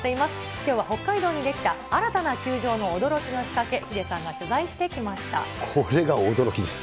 きょうは北海道に出来た新たな球場の驚きの仕掛け、ヒデさんが取これが驚きです。